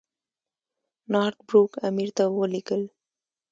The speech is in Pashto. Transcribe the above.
نارت بروک امیر ته ولیکل.